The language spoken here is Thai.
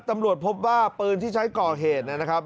ตำรวจพบว่าปืนที่ใช้ก่อเหตุนะครับ